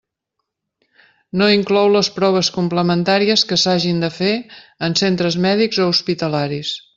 No inclou les proves complementàries que s'hagin de fer en centres mèdics o hospitalaris.